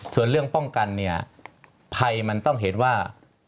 ส่วนเรื่องป้องกันไพมันต้องเห็นว่า